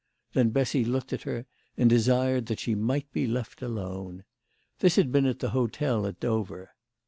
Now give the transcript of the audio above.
Then Bessy looked at her, and desired that she might be left alone. This had been at the hotel at Dover.